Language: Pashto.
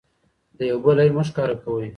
د یو بل عیب مه ښکاره کوئ.